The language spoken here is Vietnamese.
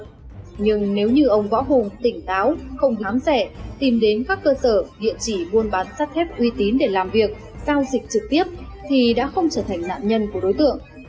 nhưng nếu như ông võ hùng tỉnh táo không dám rẻ tìm đến các cơ sở địa chỉ buôn bán sắt thép uy tín để làm việc giao dịch trực tiếp thì đã không trở thành nạn nhân của đối tượng